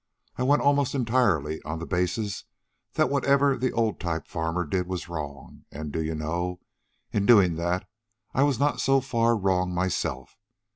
I went almost entirely on the basis that whatever the old type farmer did was wrong, and, do you know, in doing that I was not so far wrong myself.